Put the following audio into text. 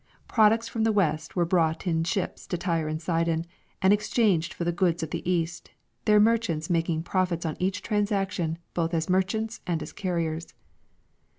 Products from the west were brought in ships to Tyre and Sidon and exchanged for the goods of the east, their merchants making profits on each transaction both as merchants and as carriers.